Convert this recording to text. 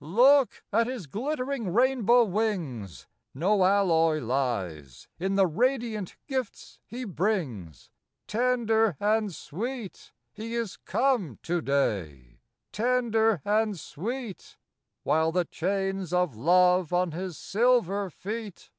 Look at his glittering rainbow wings, — No alloy Lies in the radiant gifts he brings ; Tender and sweet, He is come to day, Tender and sweet: While chains of love on his silver feet 120 FROM QUEENS' GARDENS.